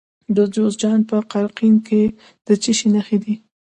د جوزجان په قرقین کې د څه شي نښې دي؟